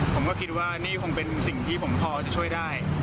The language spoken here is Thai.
ผมก็คิดว่านี่คงเป็นสิ่งที่ผมพอจะช่วยได้